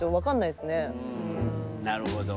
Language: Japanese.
なるほど。